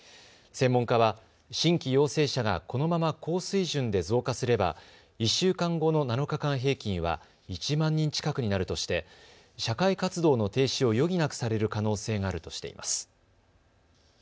専門家は新規陽性者がこのまま高水準で増加すれば１週間後の７日間平均は１万人近くになるとして社会活動の停止を余儀なくされる可能性があるとしています。